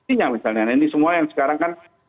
ini semua yang sekarang kan